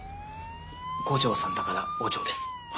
五条さんだからお嬢です。